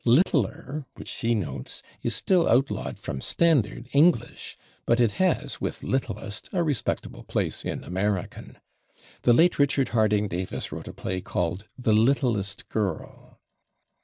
/Littler/, which he notes, is still outlawed from standard English, but it has, with /littlest/, a respectable place in American. The late Richard Harding Davis wrote a play called "The /Littlest/ Girl."